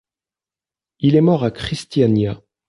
Il est mort à Christiania.